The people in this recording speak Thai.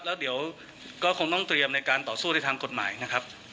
แล้วเดี๋ยวก็คงต้องเตรียมในการต่อสู้ในทางกฎหมายนะครับ